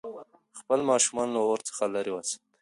خپل ماشومان له اور څخه لرې وساتئ.